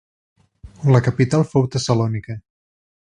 La capital fou Tessalònica.